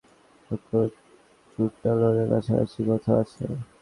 এখন চুড্ডালোরের কাছাকাছি কোথাও আছে।